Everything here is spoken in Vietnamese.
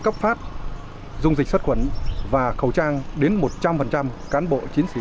lập trình phòng chống dịch